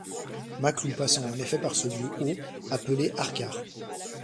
Maclou passant en effet par ce lieu au appelé Arcar.